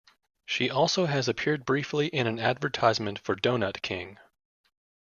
She also has appeared briefly in an advertisement for Donut King.